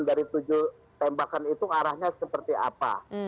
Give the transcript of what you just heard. dari tujuh tembakan itu arahnya seperti apa